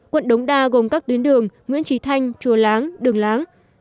quận đống đa gồm các tuyến đường nguyễn trí thanh chùa láng đường láng